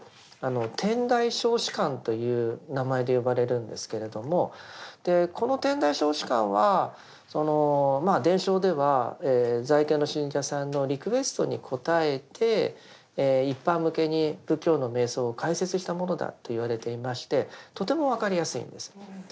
「天台小止観」という名前で呼ばれるんですけれどもこの「天台小止観」は伝承では在家の信者さんのリクエストに応えて一般向けに仏教の瞑想を解説したものだと言われていましてとても分かりやすいんです。